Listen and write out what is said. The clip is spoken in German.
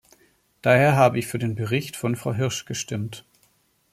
Daher habe ich für den Bericht von Frau Hirsch gestimmt.